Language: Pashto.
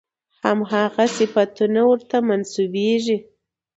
همغه صفتونه ورته منسوبېږي.